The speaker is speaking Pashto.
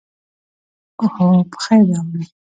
اوهو، پخیر راغلې.